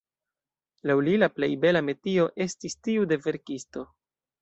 Laŭ li, «la plej bela metio estis tiu de verkisto».